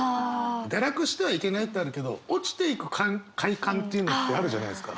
堕落してはいけないってあるけど堕ちていく快感っていうのってあるじゃないですか。